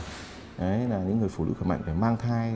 đấy là những người phụ nữ khỏe mạnh phải mang thai